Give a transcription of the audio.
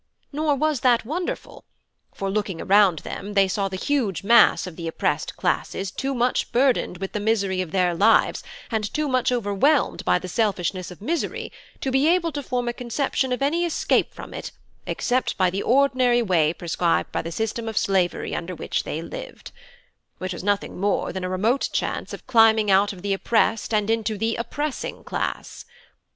Nor was that wonderful: for looking around them they saw the huge mass of the oppressed classes too much burdened with the misery of their lives, and too much overwhelmed by the selfishness of misery, to be able to form a conception of any escape from it except by the ordinary way prescribed by the system of slavery under which they lived; which was nothing more than a remote chance of climbing out of the oppressed into the oppressing class.